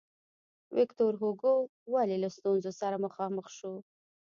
ویکتور هوګو ولې له ستونزو سره مخامخ شو.